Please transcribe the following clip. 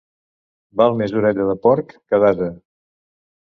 Val més orella de porc que d'ase.